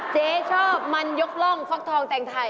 เจ๊ชอบมันยกร่องฟักทองแต่งไทย